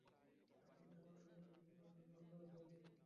আপনি আমার মৃত স্বামীকে অসম্মান করছেন।